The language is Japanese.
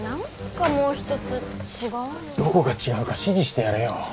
どこが違うか指示してやれよ。